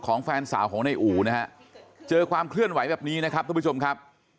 แฟนสาวของนายอู่นะฮะเจอความเคลื่อนไหวแบบนี้นะครับทุกผู้ชมครับ